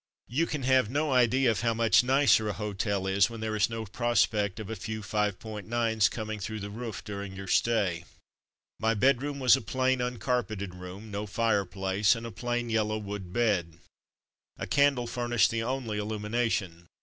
You can have no idea how much nicer a hotel is when there is no prospect of a few ''five point nines'' coming through the roof during your stay. A Cordial Welcome 261 My bedroom was a plain, uncarpeted room, no fireplace, and a plain, yellow wood bed. A candle furnished the only illumination.